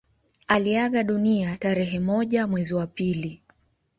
Aliaga dunia tarehe moja mwezi wa pili